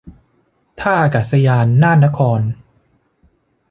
ท่าอากาศยานน่านนคร